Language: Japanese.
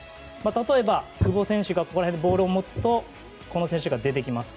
例えば、久保選手がここら辺でボールを持つとこの選手が出てきます。